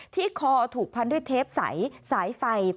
คอถูกพันด้วยเทปใสสายไฟ